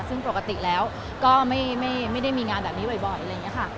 ซึ่งปกติแล้วก็ไม่ได้มีงานแบบนี้บ่อยค่ะ